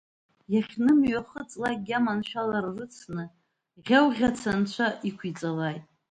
Иахьным-ҩахыҵлакгьы аманшәалара рыцны, ӷьау-ӷьаца анцәа иқәиҵалааит!